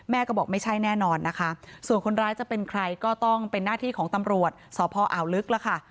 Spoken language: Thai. แม่ก็บอกไม่ใช่แน่นอนนะคะส่วนคนร้ายจะเป็นใครก็ต้องเป็นหน้าที่ของตำรวจสพอ่าวลึกแล้วค่ะ